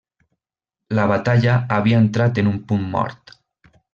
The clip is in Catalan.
La batalla havia entrat en un punt mort.